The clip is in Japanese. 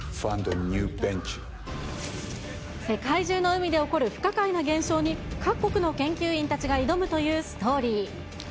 世界中の海で起こる、不可解な現象に、各国の研究員たちが挑むというストーリー。